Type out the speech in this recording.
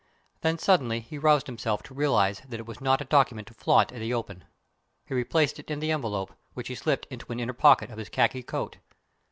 Then, suddenly, he roused himself to realize that it was not a document to flaunt in the open. He replaced it in the envelope, which he slipped into an inner pocket of his khaki coat.